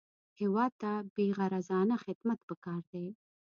هېواد ته بېغرضانه خدمت پکار دی